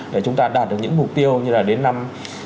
để chúng ta đạt được những mục tiêu như là đến năm hai nghìn ba mươi